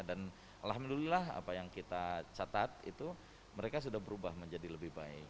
dan alhamdulillah apa yang kita catat itu mereka sudah berubah menjadi lebih baik